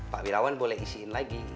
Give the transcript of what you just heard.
pak wirawan boleh isiin lagi